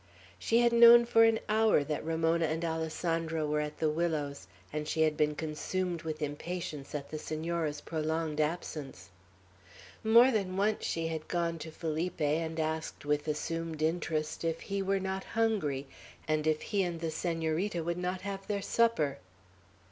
She had known for an hour that Ramona and Alessandro were at the willows, and she had been consumed with impatience at the Senora's prolonged absence. More than once she had gone to Felipe, and asked with assumed interest if he were not hungry, and if he and the Senorita would not have their supper.